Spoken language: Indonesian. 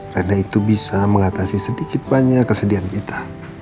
karena itu bisa mengatasi sedikit banyak kesedihan kita